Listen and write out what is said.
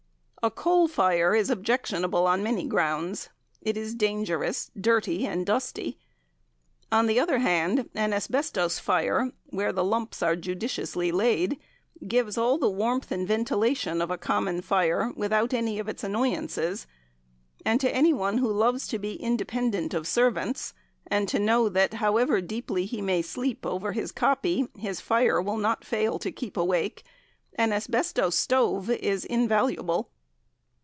A coal fire is objectionable on many grounds. It is dangerous, dirty and dusty. On the other hand an asbestos fire, where the lumps are judiciously laid, gives all the warmth and ventilation of a common fire without any of its annoyances; and to any one who loves to be independent of servants, and to know that, however deeply he may sleep over his "copy," his fire will not fail to keep awake, an asbestos stove is invaluable.